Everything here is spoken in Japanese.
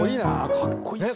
かっこいいっすね。